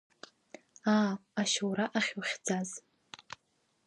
Аа, ашьоура ахьухьӡаз!